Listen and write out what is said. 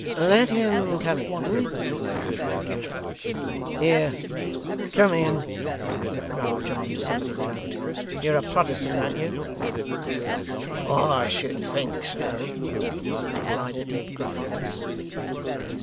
'Let him come in,' said Gashford. 'Here! come in!' growled John to somebody without; 'You're a Protestant, an't you?' 'I should think so,' replied a deep, gruff voice.